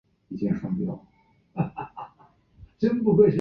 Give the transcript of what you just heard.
宣美及朴轸永等明星亦到场支持。